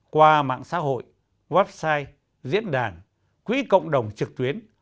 qua mạng xã hội website diễn đàn quỹ cộng đồng trực tuyến